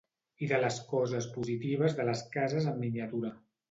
i de les coses positives de les cases en miniatura